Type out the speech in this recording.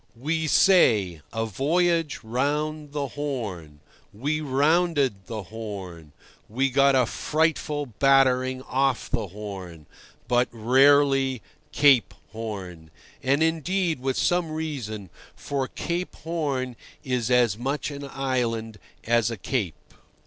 We say, "a voyage round the Horn"; "we rounded the Horn"; "we got a frightful battering off the Horn"; but rarely "Cape Horn," and, indeed, with some reason, for Cape Horn is as much an island as a cape.